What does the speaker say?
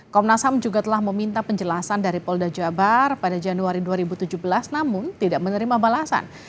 komnas ham juga telah meminta penjelasan dari polda jabar pada januari dua ribu tujuh belas namun tidak menerima balasan